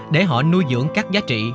để họ nuôi dưỡng các giá trị